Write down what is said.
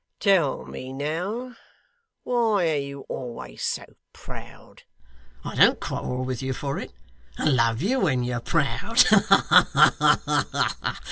Tell me now. Why are you always so proud? I don't quarrel with you for it. I love you when you're proud. Ha ha ha!